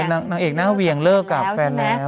นางเอกหน้าเวียงเลิกกับแฟนแล้ว